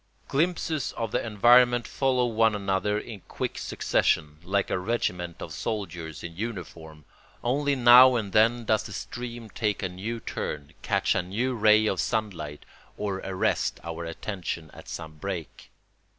Glimpses of the environment follow one another in quick succession, like a regiment of soldiers in uniform; only now and then does the stream take a new turn, catch a new ray of sunlight, or arrest our attention at some break.